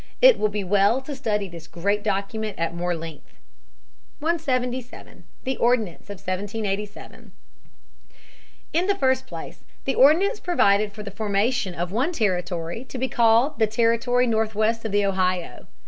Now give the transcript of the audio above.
It will be well to study this great document more at length. [Sidenote: Provisions of the Ordinance of 1787.] 177. The Ordinance of 1787. In the first place the ordinance provided for the formation of one territory to be called the Territory Northwest of the Ohio.